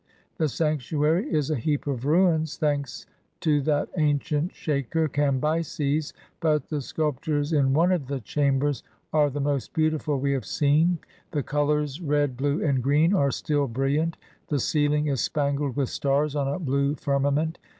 The sanctuary is a heap of ruins, thanks to that ancient Shaker, Cambyses, but the sculp tures in one of the chambers are the most beautiful we have seen; the colors, red, blue, and green are still bril liant, the ceiling is spangled with stars on a blue firma ment.